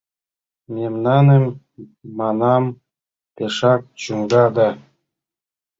— Мемнаным, манам, пешак чӱҥга да...